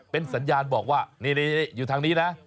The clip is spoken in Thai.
เป็นสัญญาณบอกว่านี่อยู่ทางนี้นะ